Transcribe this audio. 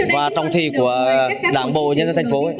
và trọng thị của đảng bộ nhân dân thành phố